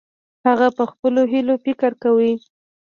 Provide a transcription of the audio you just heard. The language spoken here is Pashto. هغه په خپلو هیلو فکر کاوه.